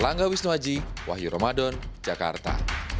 nah ini adalah video saya